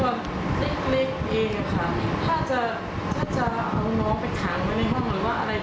มันเกิดคนจากนั้น